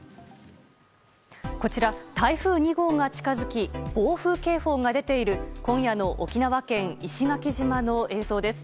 こちら、台風２号が近づき暴風警報が出ている今夜の沖縄県石垣島の映像です。